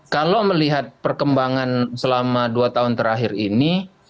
kalau melihat perkembangan selama dua tahun terakhir ini